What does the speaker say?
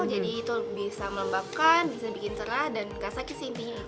jadi itu bisa melembabkan bisa bikin cerah dan ga sakit sih intinya itu